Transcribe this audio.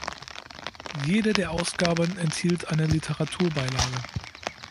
Jede der Ausgaben enthielt eine Literaturbeilage.